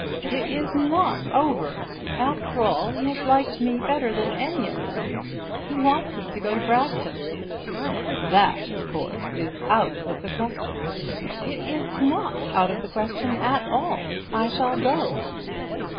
"It is not over. After all he has liked me better than any of them. He wants me to go to Bragton." "That of course is out of the question." "It is not out of the question at all. I shall go."